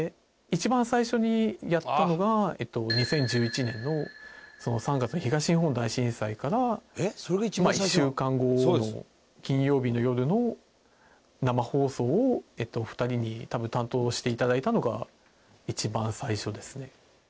一番最初にやったのが２０１１年の３月の東日本大震災から１週間後の金曜日の夜の生放送をお二人に多分担当していただいたのが一番最初ですね。